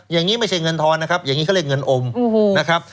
อย่างนี้ไม่ใช่เงินทอนนะครับอย่างนี้เขาเรียกเงินอมนะครับ